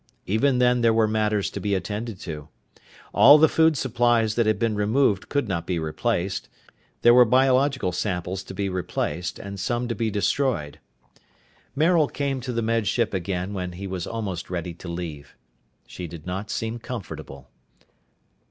Even then there were matters to be attended to. All the food supplies that had been removed could not be replaced. There were biological samples to be replaced and some to be destroyed. Maril came to the Med Ship again when he was almost ready to leave. She did not seem comfortable.